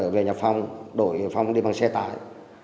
về nhà phong đổi phong đi bằng xe tải